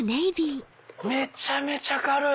めちゃめちゃ軽い！